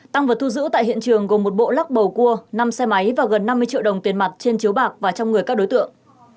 tăng vật thu giữ tại hiện trường gồm một bộ lắc bầu cua năm xe máy và gần năm mươi triệu đồng tiền mặt trên chiếu bạc và trong người các đối tượng